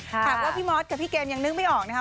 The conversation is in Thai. หากว่าพี่มอสกับพี่เกมยังนึกไม่ออกนะคะ